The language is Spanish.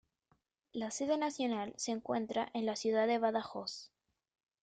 La sede nacional se encuentra en la ciudad de Badajoz.